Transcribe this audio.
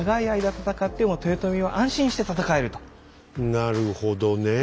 なるほどねえ。